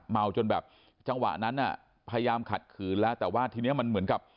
จนแบบจังหวะนั้นน่ะพยายามขัดขืนแล้วแต่ว่าทีนี้มันเหมือนกับ